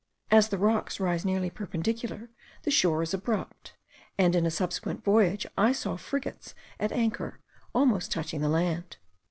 As the rocks rise nearly perpendicular, the shore is abrupt; and in a subsequent voyage I saw frigates at anchor almost touching the land.